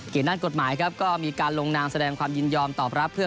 เกณฑ์นั้นกฎหมายก็มีการลงนางแสดงความยินยอมตอบรับ